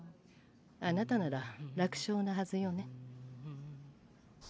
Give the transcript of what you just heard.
あなたなら楽勝のはずよね。